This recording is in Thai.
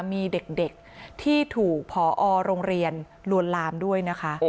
มีเด็กที่ถูกพอโรงเรียนลวนลามด้วยนะคะ